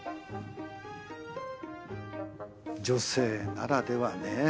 女性ならではねぇ。